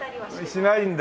しないんだ。